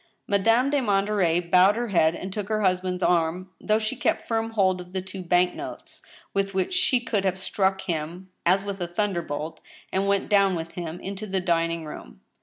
Madame de Monterey bowed her head and took her husband's arm, though she kept firm hold of the two bank ^notes, with which she could have struck him as with a thunderbolt, and went down with him into the dining room.